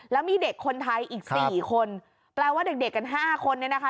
แล้วมีเด็กคนไทยอีก๔คนแปลว่าเด็กเด็กกัน๕คนเนี่ยนะคะ